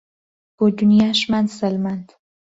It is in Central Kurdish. بۆ دونیاشمان سەلماند